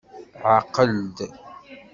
Ɛqel-d.